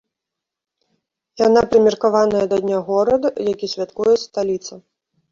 Яна прымеркаваная да дня горада, які святкуе сталіца.